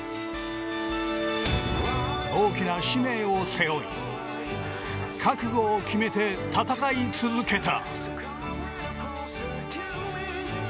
大きな使命を背負い覚悟を決めて戦い続けた。